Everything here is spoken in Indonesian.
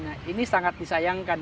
nah ini sangat disayangkan